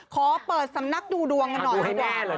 ขอเปิดสำนักดูดวงกันหน่อย